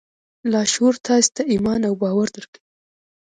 لاشعور تاسې ته ایمان او باور درکوي